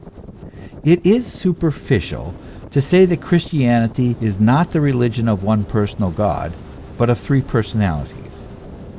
"* It is superficial to say that Christianity is not the religion of one personal God, but of three personalities.